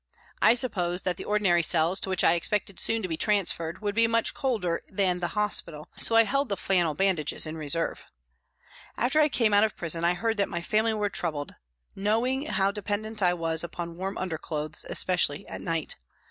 I supposed that the ordinary cells, to which I expected soon to be transferred, would be much colder than the hospital, so I held the flannel bandages in reserve. After I came out of prison I heard that my family were troubled, knowing how dependent I was upon warm underclothes, especially at night.